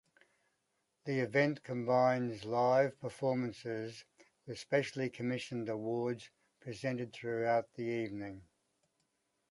The event combines live performances with specially commissioned awards presented throughout the evening.